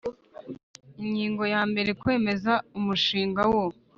Ingingo ya mbere Kwemeza umushinga wo